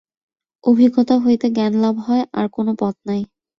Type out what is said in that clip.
অভিজ্ঞতা হইতে জ্ঞানলাভ হয়, আর কোন পথ নাই।